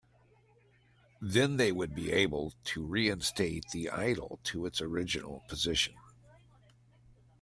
Then they would be able to reinstate the idol to its original position.